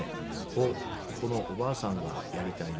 「このおばあさんがやりたいな」